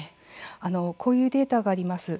こういうデータがあります。